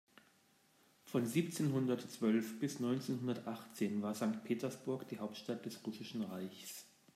Von siebzehnhundertzwölf bis neunzehnhundertachtzehn war Sankt Petersburg die Hauptstadt des Russischen Reichs.